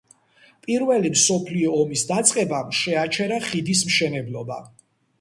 პირველი მსოფლიო ომის დაწყებამ შეაჩერა ხიდის მშენებლობა.